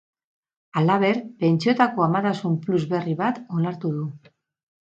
Halaber, pentsioetako amatasun plus berri bat onartu du.